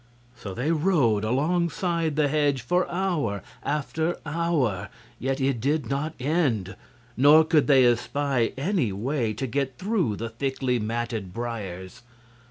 So they rode alongside the hedge for hour after hour; yet it did not end, nor could they espy any way to get through the thickly matted briers.